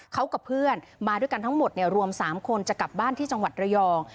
เขากับเพื่อนมาด้วยกันทั้งหมดรวม๓คนจะกลับบ้านที่จังหวัดระยอง